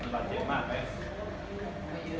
เลือดจริงจริง